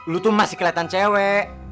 lo tuh masih keliatan cewek